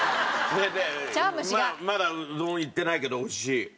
まだうどんいってないけど美味しい。